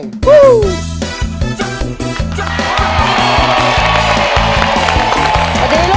สวัสดีลูก